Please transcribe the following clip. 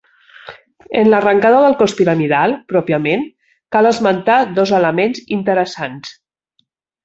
En l'arrancada del cos piramidal pròpiament, cal esmentar dos elements interessants.